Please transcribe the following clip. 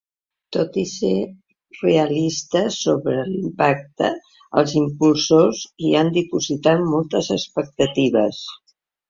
Tot i ser realistes sobre l’impacte, els impulsors hi han dipositat moltes expectatives.